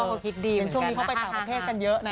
คุณพ่อคิดดีเป็นช่วงนี้เข้าไปสามประเภทกันเยอะนะ